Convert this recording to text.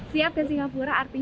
siap ke singapura artinya